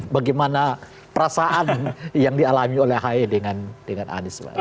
bagaimana perasaan yang dialami oleh ahy dengan anies